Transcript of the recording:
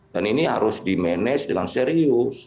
dan ini harus di manage dengan serius